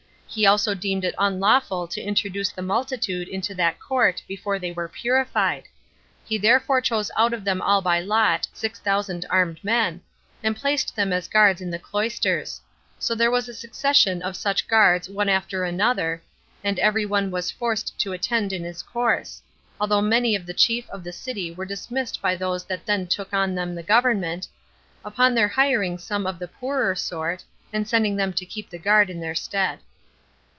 He also deemed it unlawful to introduce the multitude into that court before they were purified; he therefore chose out of them all by lot six thousand armed men, and placed them as guards in the cloisters; so there was a succession of such guards one after another, and every one was forced to attend in his course; although many of the chief of the city were dismissed by those that then took on them the government, upon their hiring some of the poorer sort, and sending them to keep the guard in their stead.